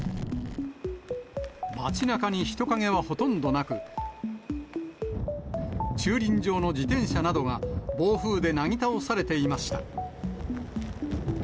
町なかに人影はほとんどなく、駐輪場の自転車などが、暴風でなぎ倒されていました。